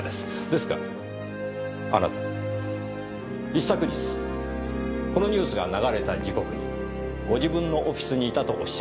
ですがあなたは一昨日このニュースが流れた時刻にご自分のオフィスにいたとおっしゃいました。